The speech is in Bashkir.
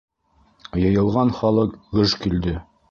Йыйылған халыҡ гөж килде.